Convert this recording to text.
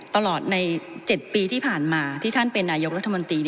ตลอดใน๗ปีที่ผ่านมาที่ท่านเป็นนายกรัฐมนตรี